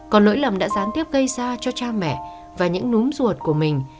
còn lỗi lầm đã gián tiếp gây ra cho cha mẹ và những núm ruột của mình